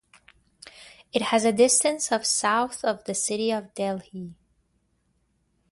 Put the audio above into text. It has a distance of south of the city of Delhi.